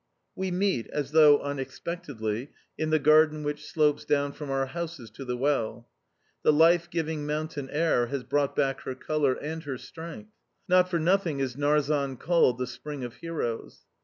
We meet, as though unexpectedly, in the garden which slopes down from our houses to the well. The life giving mountain air has brought back her colour and her strength. Not for nothing is Narzan called the "Spring of Heroes."